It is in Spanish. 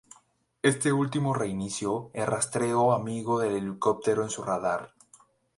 Este último reinició el rastreo amigo del helicóptero en su radar.